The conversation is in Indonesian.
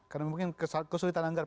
karena mungkin kesulitan anggaran